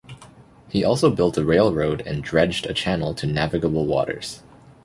He also built a railroad and dredged a channel to navigable waters.